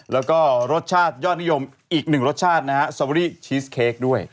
และรสชาติยอดนิยมอีก๑รสชาติซอเบอรี่ชีสเค้กด้วย